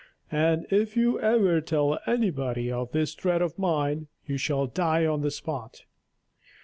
And if you ever tell anybody of this threat of mine, you shall die on the spot."